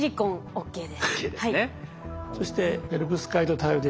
ＯＫですね。